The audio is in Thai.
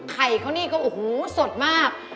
ไข่เขานี่ก็โอ้โหสดมาก